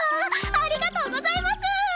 ありがとうございます！